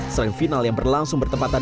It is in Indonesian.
selain final yang berlangsung bertempatan